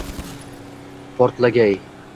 портлагай.